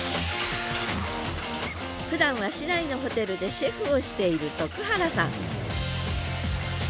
ふだんは市内のホテルでシェフをしている徳原さん